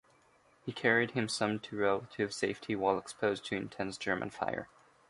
He carried him some to relative safety while exposed to intense German fire.